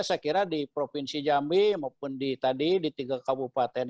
saya kira di provinsi jambi maupun di tadi di tiga kabupaten